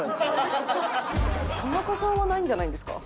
田仲さんはないんじゃないですか？